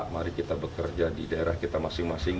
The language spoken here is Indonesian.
mari kita bekerja di daerah kita masing masing